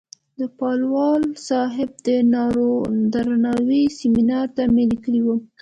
د پالوال صاحب د درناوۍ سیمینار ته مې لیکلې وه.